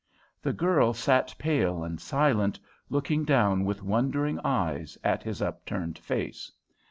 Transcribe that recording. The girl sat pale and silent, looking down with wondering eyes at his upturned face.